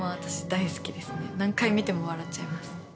私大好きですね何回見ても笑っちゃいます。